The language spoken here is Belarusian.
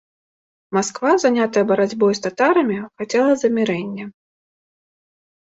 Масква, занятая барацьбой з татарамі, хацела замірэння.